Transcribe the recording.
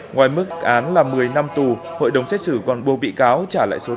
ngoài mức án là một mươi năm tù hội đồng xét xử còn buộc bị cáo trả lại số tiền